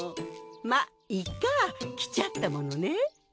まっいっか来ちゃったものね。